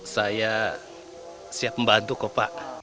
saya siap membantu kok pak